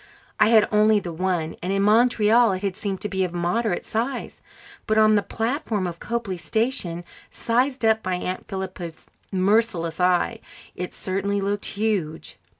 I had only the one, and in Montreal it had seemed to be of moderate size; but on the platform of Copely station, sized up by Aunt Philippa's merciless eye, it certainly looked huge.